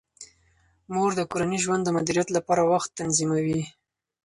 مور د کورني ژوند د مدیریت لپاره وخت تنظیموي.